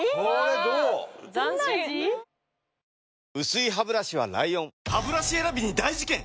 薄いハブラシは ＬＩＯＮハブラシ選びに大事件！